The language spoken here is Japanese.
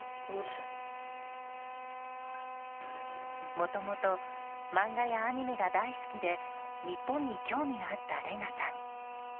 もともと漫画やアニメが大好きで日本に興味があったレナさん。